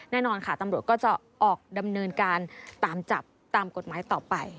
แน่นอนค่ะตำรวจก็จะออกดำเนินการตามจับตามกฎหมายต่อไป